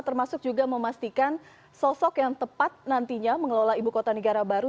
termasuk juga memastikan sosok yang tepat nantinya mengelola ibu kota negara baru